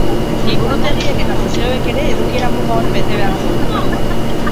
Liburutegiek eta museoek ere edukiera muga hori bete beharko dute.